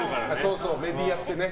メディアってね。